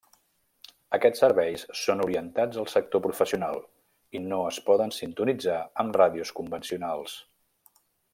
Aquests serveis són orientats al sector professional, i no es poden sintonitzar amb ràdios convencionals.